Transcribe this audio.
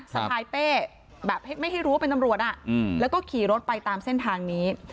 สะพายเป้แบบไม่ให้รู้ว่าเป็นตำรวจแล้วก็ขี่รถไปตามเส้นทางนี้